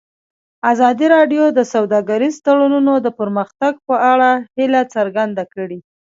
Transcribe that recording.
ازادي راډیو د سوداګریز تړونونه د پرمختګ په اړه هیله څرګنده کړې.